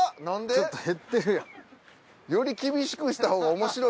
ちょっと減ってるやん。